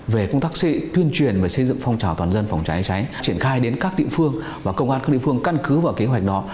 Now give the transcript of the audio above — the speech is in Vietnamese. về công tác tuyên truyền về xây dựng phong trào toàn dân phòng cháy cháy triển khai đến các địa phương và công an các địa phương căn cứ vào kế hoạch đó